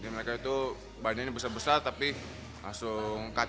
mereka itu badannya besar besar tapi langsung cut